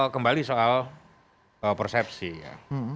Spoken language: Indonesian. kembali soal persepsi ya